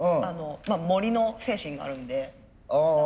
盛りの精神があるんで。